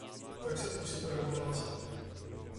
Tak se pusťme do práce!